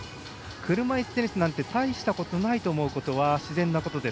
車いすテニスなんて大したことないと思うことは自然なことです。